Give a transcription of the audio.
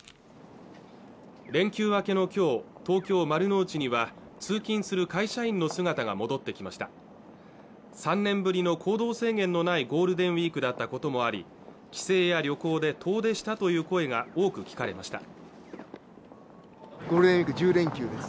連休明けの今日東京・丸の内には通勤する会社員の姿が戻ってきました３年ぶりの行動制限のないＧＷだったこともあり帰省や旅行で遠出したという声が多く聞かれました